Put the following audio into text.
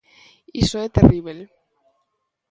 Iso é terríbel.